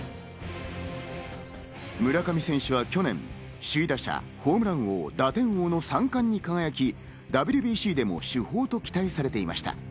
村上選手は去年、首位打者、ホームラン王、打点王の三冠に輝き、ＷＢＣでも主砲と期待されていました。